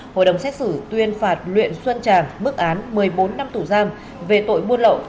hội đồng xét xử tuyên phạt luyện xuân tràng bức án một mươi bốn năm tù giam về tội buôn lộ